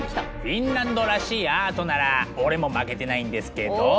フィンランドらしいアートならオレも負けてないんですけど！